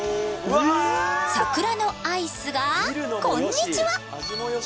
桜のアイスがこんにちは。